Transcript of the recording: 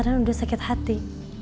dan udah sakit hati